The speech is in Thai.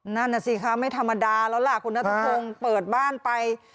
นั่นน่ะสิคะไม่ธรรมดาแล้วล่ะคุณนัทพงศ์เปิดบ้านไป